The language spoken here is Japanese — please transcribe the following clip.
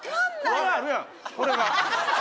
これがあるやんこれが。